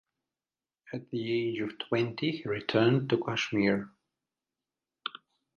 At the age of twenty, he returned to Kashmir.